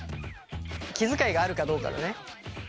気遣いがあるかどうかだね。